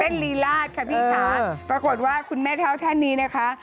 เต้นลีลาดค่ะพี่สัตว์ปรากฏว่าคุณแม่เท้าท่านนี้นะคะ